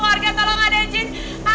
warga tolong ada cina